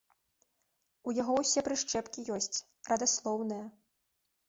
У яго ўсе прышчэпкі ёсць, радаслоўная.